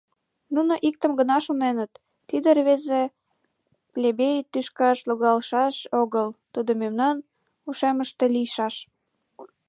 Нуно иктым гына шоненыт: тиде рвезе плебей тӱшкаш логалшаш огыл, тудо мемнан ушемыште лийшаш.